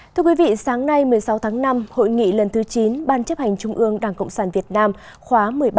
thưa quý vị sáng nay một mươi sáu tháng năm hội nghị lần thứ chín ban chấp hành trung ương đảng cộng sản việt nam khóa một mươi ba